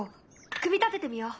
組み立ててみよう。